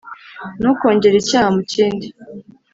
Ntukongere icyaha mu kindi,